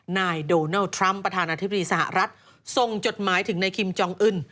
นายโดนัลด์ทรัมป์ประธานาธิบดีสหรัฐส่งจดหมายถึงในคิมจองอึ้น